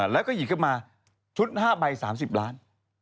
แล้วก็หยิบขึ้นมาชุด๕ใบ๓๐ล้าน